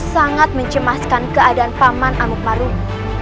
sangat mencemaskan keadaan paman amukmarugung